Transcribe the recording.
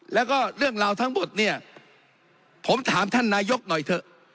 แล้วก็เรื่องราวทั้งหมดเนี่ยผมถามท่านนายกหน่อยเถอะ